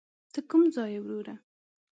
ته کوم ځای یې وروره.